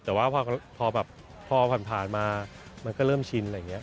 แต่ว่าพอแบบพอผ่านมามันก็เริ่มชินอะไรอย่างนี้